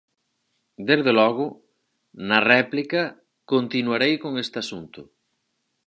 Desde logo, na réplica continuarei con este asunto.